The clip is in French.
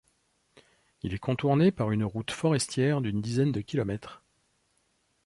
Il est contourné par une route forestière d'une dizaine de kilomètres.